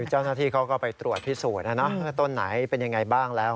เจ้าหน้าที่เขาก็ไปตรวจพิสูจน์ต้นไหนเป็นยังไงบ้างแล้ว